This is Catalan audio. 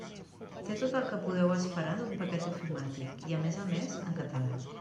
Té tot el que podeu esperar d'un paquet ofimàtic i, a més a més, en català.